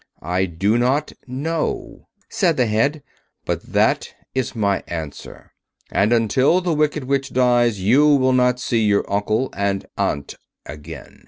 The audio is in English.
"I do not know," said the Head; "but that is my answer, and until the Wicked Witch dies you will not see your uncle and aunt again.